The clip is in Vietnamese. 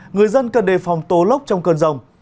người dân cần đề phòng tố lốc trong cơn rông